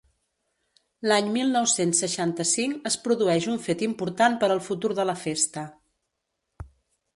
L'any mil nou-cents seixanta-cinc es produeix un fet important per al futur de la festa.